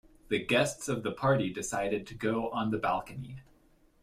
The guests of the party decided to go on the balcony.